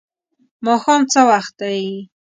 ماښام څه وخت دی؟